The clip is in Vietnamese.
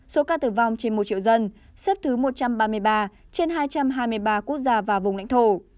số ca tử vong trên một triệu dân xếp thứ một trăm ba mươi ba trên hai trăm hai mươi ba quốc gia và vùng lãnh thổ